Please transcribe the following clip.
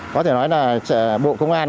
có thể nói là bộ công an